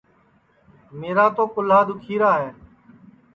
میرا تو کُہلا دُؔکھیرا ہے